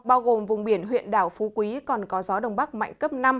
bao gồm vùng biển huyện đảo phú quý còn có gió đông bắc mạnh cấp năm